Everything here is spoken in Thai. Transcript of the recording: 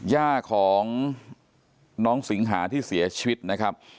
ย่าของน้องสิงหาที่เสียชีวิตนะครับ